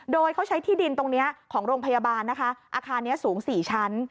โดยเขาใช้ที่ดินตรงนี้ของโรงพยาบาลนะคะอาคารนี้สูง๔ชั้น